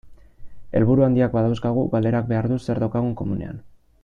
Helburu handiak badauzkagu, galderak behar du zer daukagun komunean.